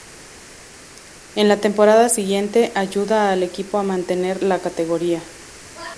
En la temporada siguiente ayuda al equipo a mantener la categoría.